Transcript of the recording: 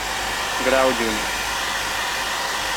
Grau, Jr.